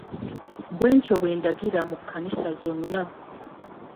Bwentyo bwe ndagira mu kkanisa zonna.